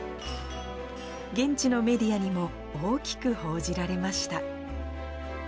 現地のメディアにも大きく報じられました。